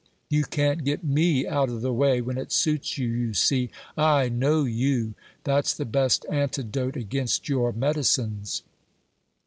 You can't get me out of the way when it suits you, you see. I know you. That's the best antidote against your medicines."